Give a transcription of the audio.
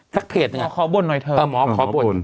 ทักเพจเนี่ยเอาหมอขอบบน